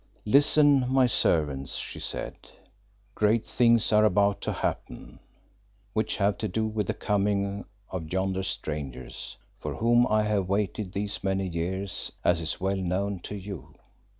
"Listen, my servants," she said. "Great things are about to happen, which have to do with the coming of yonder strangers, for whom I have waited these many years as is well known to you.